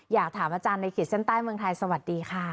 อยากถามอาจารย์ในขีดเส้นใต้เมืองไทยสวัสดีค่ะ